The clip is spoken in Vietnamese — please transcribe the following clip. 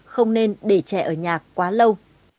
không nên để trẻ ở nhà quá lâu